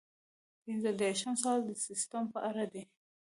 پنځه دېرشم سوال د سیسټم په اړه دی.